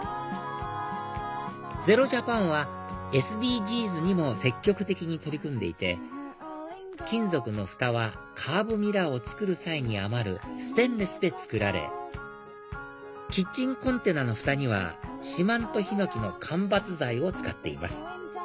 ＺＥＲＯＪＡＰＡＮはＳＤＧｓにも積極的に取り組んでいて金属のふたはカーブミラーを作る際に余るステンレスで作られキッチンコンテナのふたには四万十ヒノキの間伐材を使っています